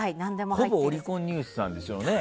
ほぼオリコンニュースなんでしょうね。